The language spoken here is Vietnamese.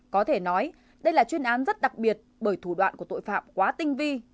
có thể nói đây là chuyên án rất đặc biệt bởi thủ đoạn của tội phạm quá tinh vi